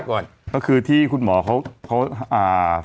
ก่อนก็คือที่คุณหมอเขา